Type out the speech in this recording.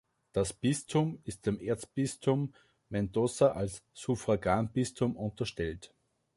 Das Bistum ist dem Erzbistum Mendoza als Suffraganbistum unterstellt.